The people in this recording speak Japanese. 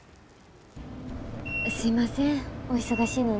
すいませんお忙しいのに。